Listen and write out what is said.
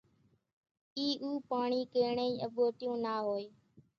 اِي اُو پاڻي ڪيڻيئين اٻوٽيون نا ھوئي،